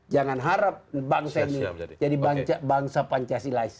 jangan harap bangsa ini jadi bangsa pancasilais